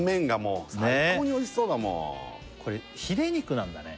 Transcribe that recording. この肉のこれヒレ肉なんだね